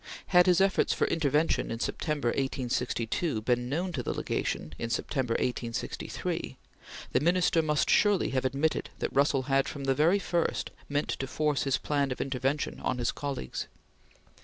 Had his efforts for intervention in September, 1862, been known to the Legation in September, 1863 the Minister must surely have admitted that Russell had, from the first, meant to force his plan of intervention on his colleagues.